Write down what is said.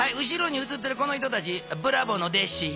後ろにうつってるこの人たちブラボーの弟子。